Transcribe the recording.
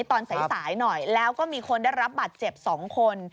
ตอนสายหน่อยแล้วก็มีคนได้รับบัตรเจ็บ๒คน